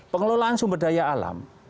pengelolaan sumber daya alam